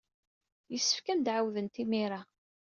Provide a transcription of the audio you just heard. Yessefk ad am-d-ɛawdent imir-a.